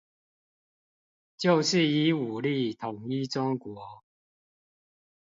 就是以武力統一中國